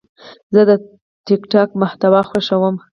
زه د ټک ټاک محتوا خوښوم.